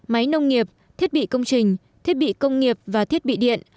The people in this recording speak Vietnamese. máy nông nghiệp thiết bị công trình thiết bị công nghiệp và thiết bị điện